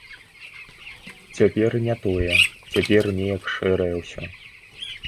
Цяпер не тое, цяпер неяк шэрае ўсё.